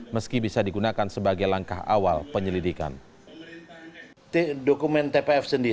meski bisa digunakan sebagai langkah awal penyelidikan